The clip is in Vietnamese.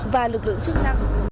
và lực lượng chức năng